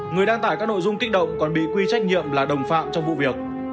người đăng tải các nội dung kích động còn bị quy trách nhiệm là đồng phạm trong vụ việc